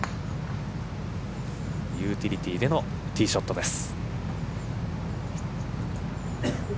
ユーティリティーでのティーショットです。